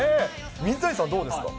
水谷さん、どうですか？